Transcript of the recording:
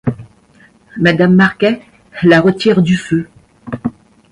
Madame Marquet la retire du feu.